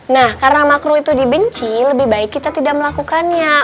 nah karena makro itu dibenci lebih baik kita tidak melakukannya